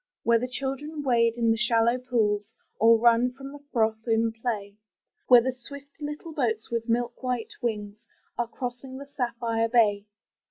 Where the children wade in the shallow pools, Or run from the froth in play. Where the swift little boats with milk white wings Are crossing the sapphire bay.